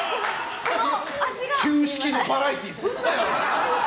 旧式のバラエティーすんなよ！